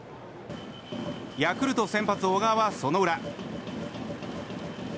ヤクルト先発、小川はその裏。